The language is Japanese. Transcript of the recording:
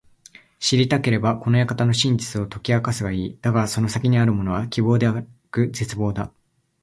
知りたければ、この館の真実を解き明かすがいい。だがその先にあるものは…希望ではなく絶望だ。